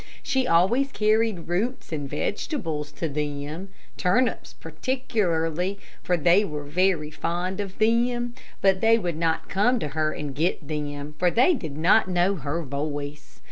She always carried roots and vegetables to them, turnips particularly, for they were very fond of them; but they would not come to her to get them, for they did not know her voice.